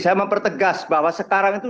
saya mempertegas bahwa sekarang itu